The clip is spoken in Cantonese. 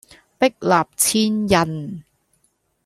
壁立千仞